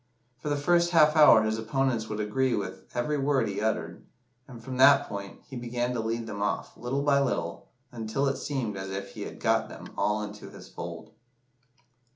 For the first half hour his opponents would agree with every word he uttered, and from that point he began to lead them off, little by little, until it seemed as if he had got them all into his fold."